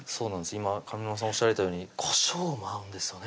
今上沼さんおっしゃられたようにこしょうも合うんですよね